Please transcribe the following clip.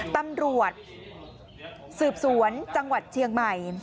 ตำรวจสืบสวนจังหวัดเชียงใหม่